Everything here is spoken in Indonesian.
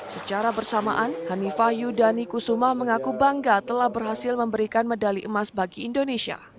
secara bersamaan hanifah yudani kusuma mengaku bangga telah berhasil memberikan medali emas bagi indonesia